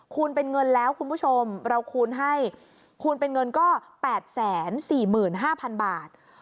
เป็นเงินแล้วคุณผู้ชมเราคูณให้คูณเป็นเงินก็๘๔๕๐๐๐บาท